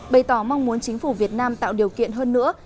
bày tỏ mong muốn chính phủ việt nam tạo điều kiện hơn nữa